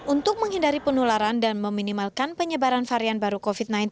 untuk menghindari penularan dan meminimalkan penyebaran varian baru covid sembilan belas